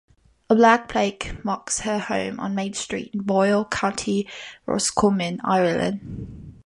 A black plaque marks her home on Main Street in Boyle, County Roscommon, Ireland.